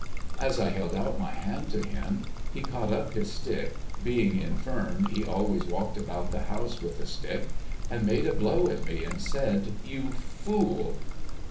As I held out my hand to him, he caught up his stick (being infirm, he always walked about the house with a stick), and made a blow at me, and said, ' You fool